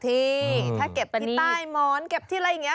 ที่ถ้าเก็บที่ใต้หมอนเก็บที่อะไรอย่างนี้